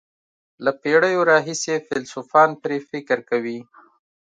له پېړیو راهیسې فیلسوفان پرې فکر کوي.